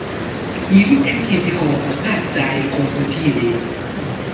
Ili estis kompostataj komputile.